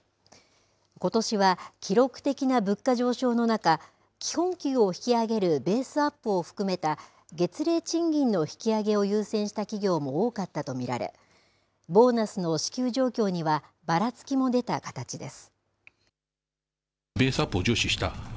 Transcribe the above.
ことしは、記録的な物価上昇の中基本給を引き上げるベースアップを含めた月例賃金の引き上げを優先した企業も多かったと見られボーナスの支給状況にはばらつきも出た形です。